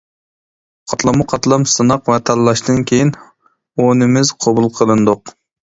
قاتلاممۇ قاتلام سىناق ۋە تاللاشتىن كېيىن ئونىمىز قوبۇل قىلىندۇق.